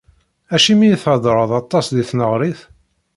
Acimi i theddreḍ aṭas di tneɣrit?